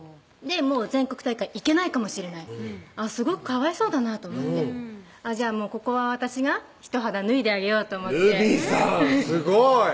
全国大会行けないかもしれないすごくかわいそうだなと思ってじゃあここは私が一肌脱いであげようと思ってるびぃさんすごい！